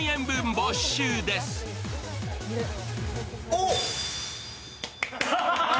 おっ！！